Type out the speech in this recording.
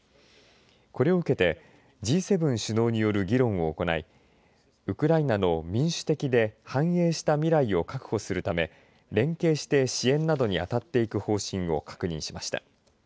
これを受けてＧ７首脳による議論を行いウクライナの民主的で繁栄した未来を確保するため連携して支援などに当たっていく方針を確認しました。